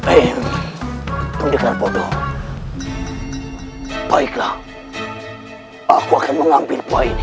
eh pendekar bodoh baiklah aku akan mengambil buah ini